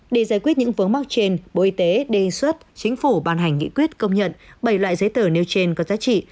để giải quyết những vướng mắc trên bộ y tế đề xuất chính phủ ban hành nghị quyết công nhận bảy loại giấy tờ nêu trên có giá trị